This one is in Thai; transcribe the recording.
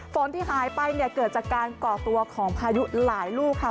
ฝนที่หายไปเนี่ยเกิดจากการก่อตัวของพายุหลายลูกค่ะ